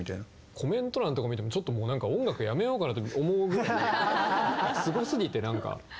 コメント欄とか見てもちょっともう音楽やめようかなと思うぐらいすごすぎてなんか。